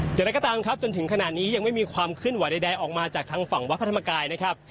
เดี๋ยวเราก็ตามครับจนถึงขนาดนี้ยังไม่มีความขึ้นหวายใดออกมาจากทางฝั่งวัฒนธรรมกายนะครับ